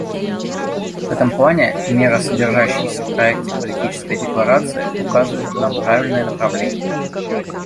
В этом плане меры, содержащиеся в проекте политической декларации, указывают нам правильное направление.